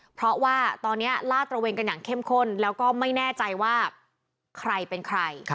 เพราะว่าตอนนี้ลาดตระเวนกันอย่างเข้มข้นแล้วก็ไม่แน่ใจว่าใครเป็นใคร